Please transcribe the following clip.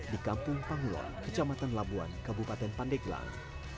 di kampung pangulon kecamatan labuan kabupaten pandeglang